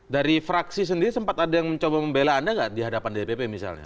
dari fraksi sendiri sempat ada yang mencoba membela anda nggak di hadapan dpp misalnya